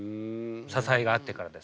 ささえがあったからです。